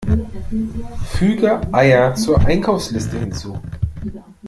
Füge Eier zur Einkaufsliste hinzu!